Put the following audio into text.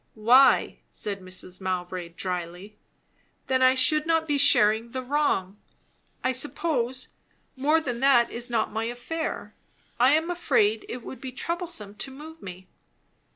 "Why?" said Mrs. Mowbray dryly. "Then I should not be sharing the wrong. I suppose, more than that is not my affair. I am afraid it would be troublesome to move me."